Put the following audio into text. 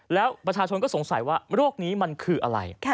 แล้วประชาชนก็สงสัยว่าโรคนี้มันคืออะไร